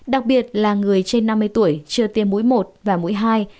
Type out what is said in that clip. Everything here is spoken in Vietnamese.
đặc biệt là người trên năm mươi tuổi chưa tiêm mũi một và mũi hai